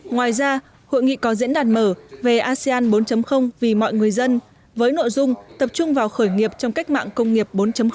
ngoài ra hội nghị có diễn đàn mở về asean bốn vì mọi người dân với nội dung tập trung vào khởi nghiệp trong cách mạng công nghiệp bốn